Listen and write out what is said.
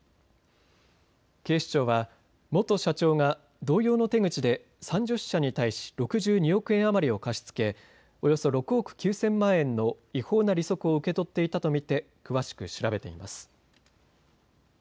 警視庁は元社長が同様の手口で３０社に対し６２億円余りを貸し付けおよそ６億９０００万円の違法な利息を受け取っていたと見て詳しく調べています。